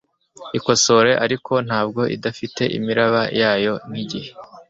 Ikosore ariko ntabwo idafite imiraba yayo nkigihe